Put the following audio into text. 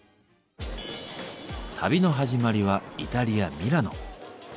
旅の始まりはイタリア・ミラノ。